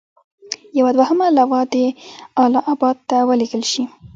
یوه دوهمه لواء دې اله اباد ته ولېږل شي.